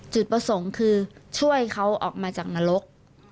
จุดประสงค์คือช่วยเขาออกมาจากนรก